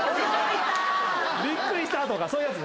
「びっくりした」とかそういうやつね。